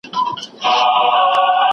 آیا تاسو کله د مفرور ناول لوستی دی؟